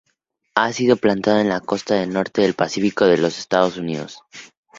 Ha sido plantado en la costa norte del Pacífico de los Estados Unidos.